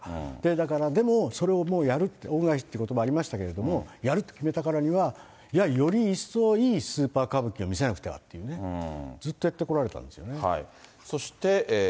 だから、でもそれをもうやるって、恩返しってことばありましたけれども、やると決めたからには、より一層いいスーパー歌舞伎を見せなくてはっていうね、ずっとやってこられたんですよね。